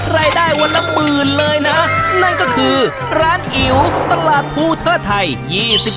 ใครได้วันละ๑๐นะนั่นก็คือร้านอิ๋วตลาดภูเทอร์ไทย๒๗